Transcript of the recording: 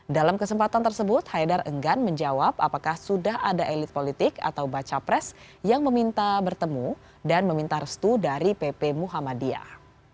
dalam kesempatan tersebut haidar enggan menjawab apakah sudah ada elit politik atau baca pres yang meminta bertemu dan meminta restu dari pp muhammadiyah